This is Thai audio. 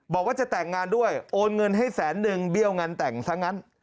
บอกว่าจะแต่งงานด้วยโอนเงินให้แสนนึงเบี้ยวงานแต่งซะงั้น